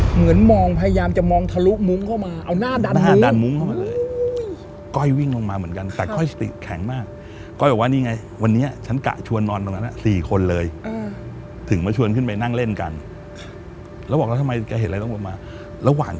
เหมือนมองพยายามจะมองทะลุมุ้งเข้ามา